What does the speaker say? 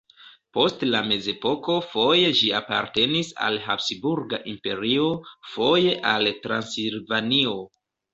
Post la mezepoko foje ĝi apartenis al Habsburga Imperio, foje al Transilvanio.